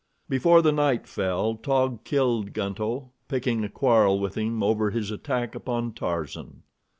Before the night fell Taug killed Gunto, picking a quarrel with him over his attack upon Tarzan.